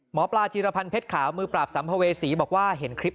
หมอปลาจีรพันธ์เพชรขาวมือปราบสัมภเวษีบอกว่าเห็นคลิป